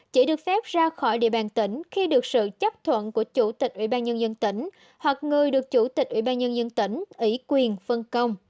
chỉ được phép ra khỏi địa bàn tỉnh khi được sự chấp thuận của chủ tịch ủy ban nhân dân tỉnh hoặc người được chủ tịch ủy ban nhân dân tỉnh ủy quyền phân công